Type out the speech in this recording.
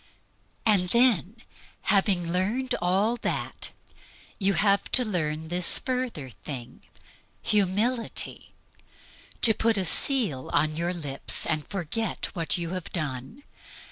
And then, after having learned all that, you have to learn this further thing, Humility to put a seal upon your lips and forget what you have done.